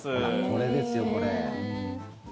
これですよ、これ。